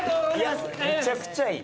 いやめちゃくちゃいい。